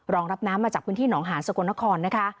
รองรับน้ำมาจากพื้นที่หนองหานสกลนครนะคะ